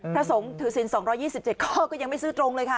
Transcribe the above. ถ้าถือสิน๒๒๗ข้อก็ยังไม่ซื่อตรงเลยค่ะ